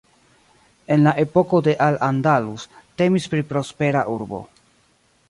En la epoko de Al Andalus temis pri prospera urbo.